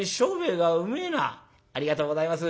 「ありがとうございます。